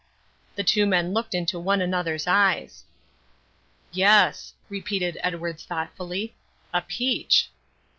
The two men looked into one another's eyes. "Yes," repeated Edwards thoughtfully, "a peach."